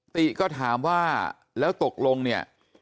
ติก็ถามว่าแล้วตกลงเนี่ย